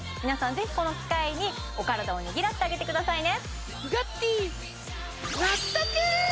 ぜひこの機会にお体をねぎらってあげてくださいね